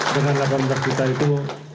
dengan delapan belas juta itu